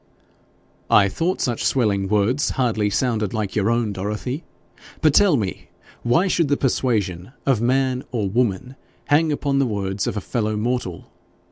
'I thought such swelling words hardly sounded like your own, Dorothy. But tell me, why should the persuasion of man or woman hang upon the words of a fellow mortal?